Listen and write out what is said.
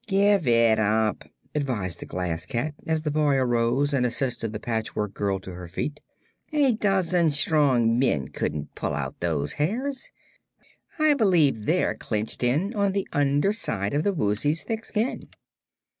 "Give it up," advised the Glass Cat, as the boy arose and assisted the Patchwork Girl to her feet. "A dozen strong men couldn't pull out those hairs. I believe they're clinched on the under side of the Woozy's thick skin."